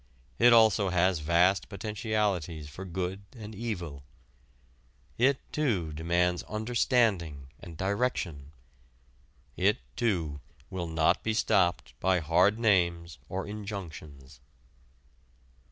It also has vast potentialities for good and evil. It, too, demands understanding and direction. It, too, will not be stopped by hard names or injunctions.